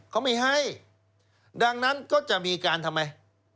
เขาไม่ให้ดังนั้นก็จะมีการทำไม